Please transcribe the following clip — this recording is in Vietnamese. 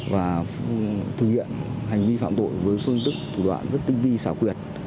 và thực hiện hành vi phạm tội với phương thức thủ đoạn rất tinh vi xảo quyệt